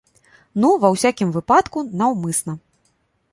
Ну, ва ўсякім выпадку, наўмысна.